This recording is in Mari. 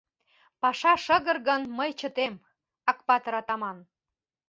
Паша шыгыр гын, мый чытем, Акпатыр-атаман.